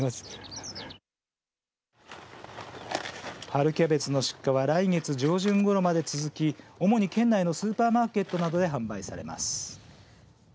春キャベツの出荷は来月上旬ごろまで続き主に県内のスーパーマーケットなどへ販売されます。